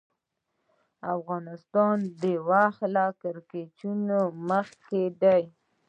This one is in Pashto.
د افغانستان وخت له ګرینویچ مخکې دی